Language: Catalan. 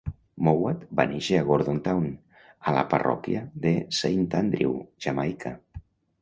Mowatt va néixer a Gordon Town, a la parròquia de Saint Andrew, Jamaica.